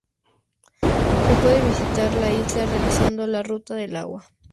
Se puede visitar la isla realizando la "Ruta del Agua".